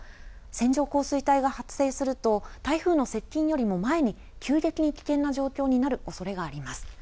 線状降水帯が発生すると台風の接近よりも前に急激に危険な状況になるおそれがあります。